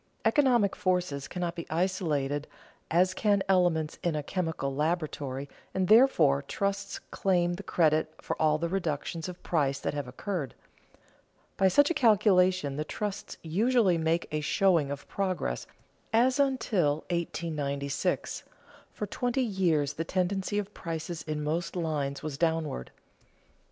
Economic forces cannot be isolated as can elements in a chemical laboratory, and, therefore, trusts claim the credit for all the reductions of price that have occurred. By such a calculation the trusts usually make a showing of progress, as, until 1896, for twenty years the tendency of prices in most lines was downward.